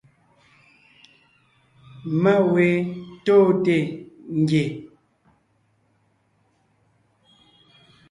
Má we tóonte ngie.